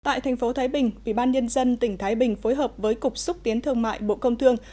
tại thành phố thái bình ủy ban nhân dân tỉnh thái bình phối hợp với cục xúc tiến thương mại bộ công thương